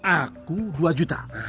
aku dua juta